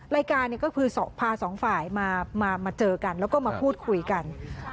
รายการก็คือพาสองฝ่ายมาเจอกันแล้วก็มาพูดคุยกัน